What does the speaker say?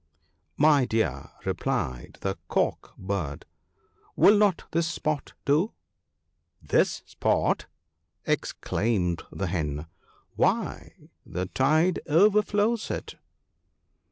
" My dear," replied the Cock bird, " will not this spot do?" " This spot !" exclaimed the Hen ;" why, the tide overflows it."